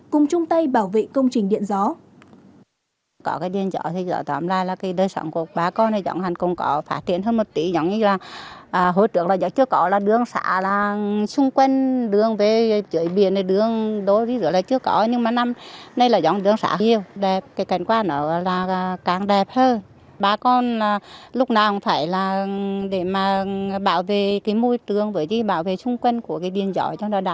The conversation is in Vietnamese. cùng chung tay bảo vệ công trình điện gió